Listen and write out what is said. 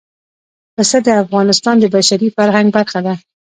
پسه د افغانستان د بشري فرهنګ برخه ده.